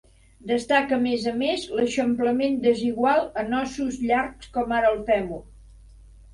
Destaca a més a més l'eixamplament desigual en ossos llargs com ara el fèmur.